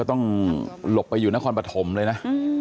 ต้องหลบไปอยู่นครปฐมเลยนะ